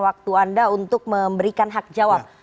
waktu anda untuk memberikan hak jawab